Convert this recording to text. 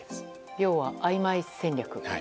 要はあいまい戦略。